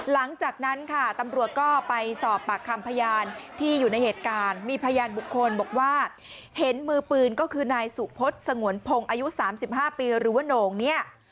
หลังจากนั้นค่ะตำรวจก็ไปสอบปากคำพยานที่อยู่ในเหตุการณ์มีพยานบุคคลบอกว่าเห็นมือปืนก็คือนายสุพฤษสงวนพงศ์อายุ๓๕ปีหรือว่าโหน่งเนี่ย